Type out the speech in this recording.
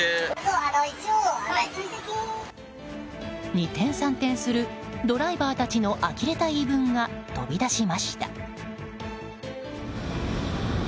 二転三転するドライバーたちのあきれた言い分が飛び出しました。